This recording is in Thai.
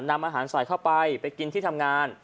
นำอาหารใส่เข้าไปไปกินที่ทำงาน